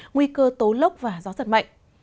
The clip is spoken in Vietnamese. nguy cơ tố lốc và gió giật mạnh